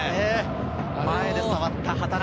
前で触った畠中。